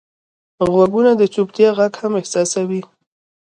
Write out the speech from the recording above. غوږونه د چوپتیا غږ هم احساسوي